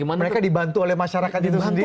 mereka dibantu oleh masyarakat itu sendiri